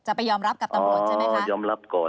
ไปยอมรับกับตำรวจใช่ไหมคะต้องยอมรับก่อน